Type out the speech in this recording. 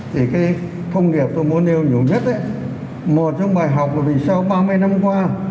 thì cái công nghiệp tôi muốn nêu nhiều nhất một trong bài học là vì sau ba mươi năm qua